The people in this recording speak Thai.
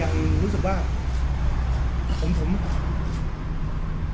เขามีแม่นะฮะถามว่าผมมีไหมผมมีแต่ผมก็ยังยังรู้สึกว่า